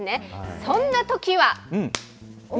そんなときは。